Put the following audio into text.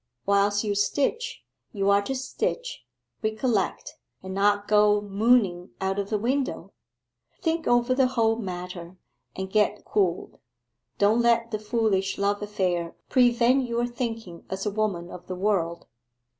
Whilst you stitch you are to stitch, recollect, and not go mooning out of the window think over the whole matter, and get cooled; don't let the foolish love affair prevent your thinking as a woman of the world.